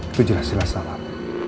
itu jelas silah salah